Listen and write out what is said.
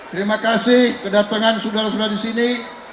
terima kasih kedatangan saudara saudara disini